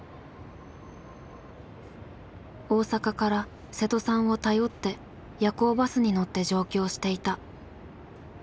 大阪から瀬戸さんを頼って夜行バスに乗って上京していた。